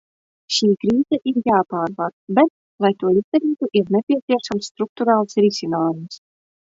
Šī krīze ir jāpārvar, bet, lai to izdarītu, ir nepieciešams strukturāls risinājums.